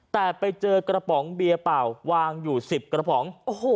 แต่ไปเจอกระป๋องเบียร์เปล่าวางอยู่๑๐กระป๋อง